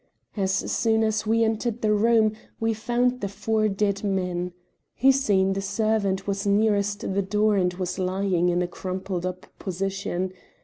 As soon as we entered the room, we found the four dead men. Hussein, the servant, was nearest the door and was lying in a crumpled up position.